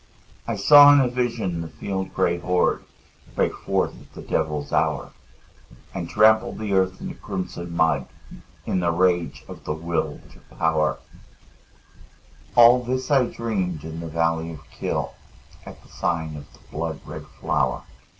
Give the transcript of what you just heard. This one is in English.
I saw in a vision the field gray horde Break forth at the devil's hour, And trample the earth into crimson mud In the rage of the Will to Power, All this I dreamed in the valley of Kyll, At the sign of the blood red flower.